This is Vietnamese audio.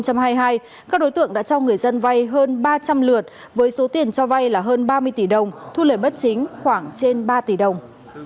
các đối tượng đã cho người dân vay hơn ba trăm linh lượt với số tiền cho vay là hơn ba mươi tỷ đồng thu lời bất chính khoảng trên ba tỷ đồng